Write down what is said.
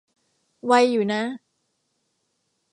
ไวอยู่นะ